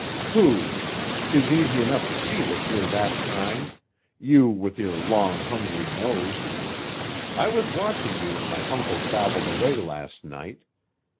"Pooh! 'Tis easy enough to see that you're that kind—you with your long, hungry nose! I was watching you when my uncle babbled away last night.